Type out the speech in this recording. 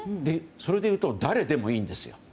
それでいうと誰でもいいんですよ。